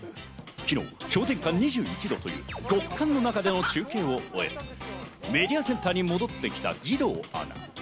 昨日、氷点下２１度という極寒の中での中継を終え、メディアセンターに戻ってきた義堂アナ。